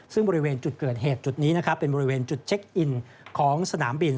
ซึ่งบริเวณจุดเกิดเหตุจุดนี้นะครับเป็นบริเวณจุดเช็คอินของสนามบิน